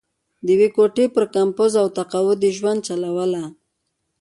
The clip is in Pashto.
د یوې ګوتې پر کمپوز او تقاعد یې ژوند چلوله.